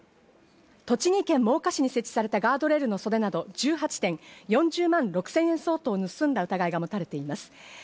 栃木県真岡市に設置されたガードレールの袖など１８点、４０万６０００円相当を盗んだ疑いが持たれています。